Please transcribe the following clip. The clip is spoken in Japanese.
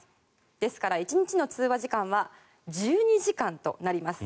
ですから１日の通話時間は１２時間となります。